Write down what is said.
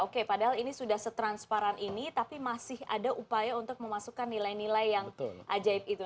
oke padahal ini sudah setransparan ini tapi masih ada upaya untuk memasukkan nilai nilai yang ajaib itu